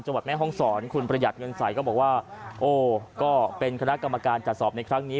แม่ห้องศรคุณประหยัดเงินใสก็บอกว่าโอ้ก็เป็นคณะกรรมการจัดสอบในครั้งนี้